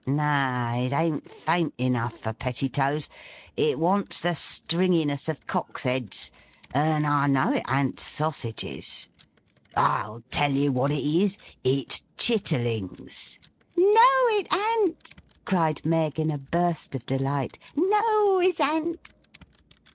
No. It an't faint enough for pettitoes. It wants the stringiness of Cocks' heads. And I know it an't sausages. I'll tell you what it is. It's chitterlings!' 'No, it an't!' cried Meg, in a burst of delight. 'No, it an't!